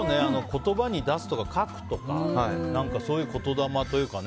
言葉に出すとか書くとかそういう言霊というか。